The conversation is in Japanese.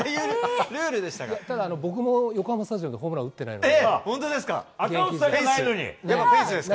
ただ、僕も横浜スタジアムでホームラン打ってないので、現役時代。